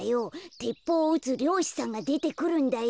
てっぽうをうつりょうしさんがでてくるんだよ。